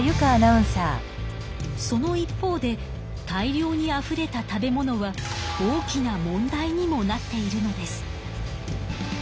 その一方で大量にあふれた食べ物は大きな問題にもなっているのです。